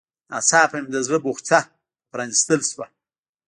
ناڅاپه مې د زړه بوخڅه په پرانيستل شوه.